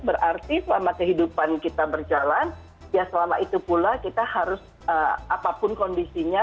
berarti selama kehidupan kita berjalan ya selama itu pula kita harus apapun kondisinya